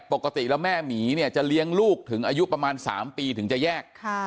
ปกติแล้วแม่หมีเนี่ยจะเลี้ยงลูกถึงอายุประมาณ๓ปีถึงจะแยก